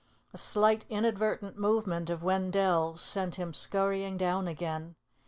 A slight inadvertent movement of Wendell's sent him scurrying down again.